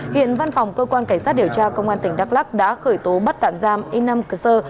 hiện văn phòng cơ quan cảnh sát điều tra công an tỉnh đắk lắc đã khởi tố bắt tạm giam in năm cơ sơ